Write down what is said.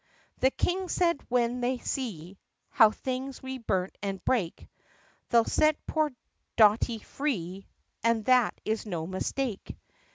The King said, "When they see How things we burn and break They 'll set poor Dotty free And that is no mistake."